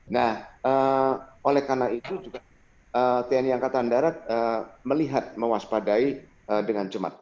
nah oleh karena itu juga tni angkatan darat melihat mewaspadai dengan cemas